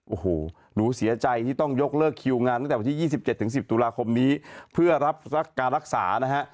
โอ้โหหนูเสียใจที่ต้องยกเลิกคิวงานตั้งแต่วันที่๒๗๑๐ตุลาคมนี้เพื่อรับการรักษานะฮะ